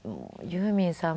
ユーミンさん。